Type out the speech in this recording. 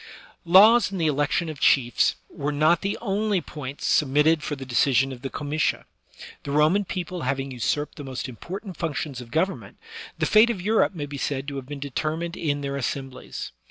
Laws and the election of chiefs were not the only points submitted for the decision of the comitia; the Roman people having usurped the most important func tions of government, the fate of Europe may be said to have been determined in their assemblies.